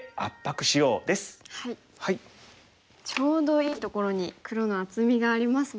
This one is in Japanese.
ちょうどいいところに黒の厚みがありますもんね。